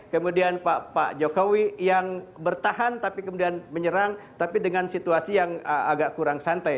kemudian pak jokowi yang bertahan tapi kemudian menyerang tapi dengan situasi yang agak kurang santai